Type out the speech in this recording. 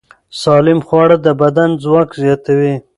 سالم خواړه د بدن ځواک زیاتوي.